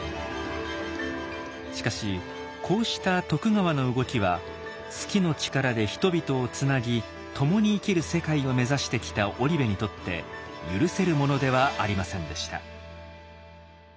しかしこうした徳川の動きは数寄の力で人々をつなぎ共に生きる世界を目指してきた織部にとって許せるものではありませんでした。